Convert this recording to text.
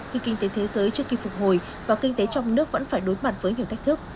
khi kinh tế thế giới chưa kịp phục hồi và kinh tế trong nước vẫn phải đối mặt với nhiều thách thức